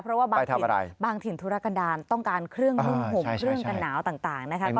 เพราะว่าบางถิ่นธุรกันดาลต้องการเครื่องนุ่งห่มเครื่องกันหนาวต่างนะคะ